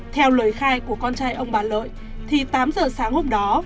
theo lời khai của con trai ông bà lợi thì tám giờ sáng hôm đó